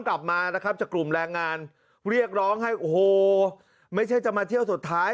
กลับมานะครับจากกลุ่มแรงงานเรียกร้องให้โอ้โหไม่ใช่จะมาเที่ยวสุดท้าย